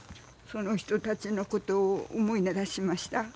その人たちのことを思い出しました。